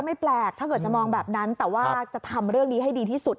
ไม่แปลกถ้าเกิดจะมองแบบนั้นแต่ว่าจะทำเรื่องนี้ให้ดีที่สุด